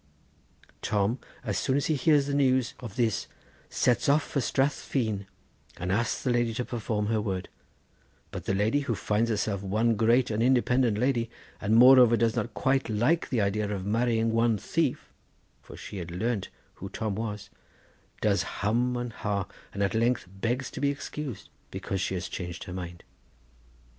Tom, as soon as he hears the news of all this, sets off for Strath Feen and asks the lady to perform her word; but the lady, who finds herself one great and independent lady, and moreover does not quite like the idea of marrying one thief, for she had learnt who Tom was, does hum and hah, and at length begs to be excused, because she has changed her mind.